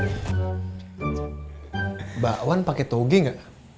mbak wan pake toge ga